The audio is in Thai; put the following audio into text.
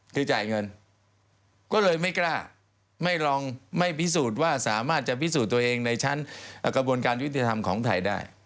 คือจ่ายเงินก็เลยไม่กล้าไม่ลองไม่พิสูจน์ว่าสามารถจะพิสูจน์ตัวเองในชั้นกระบวนการยุติธรรมของไทยได้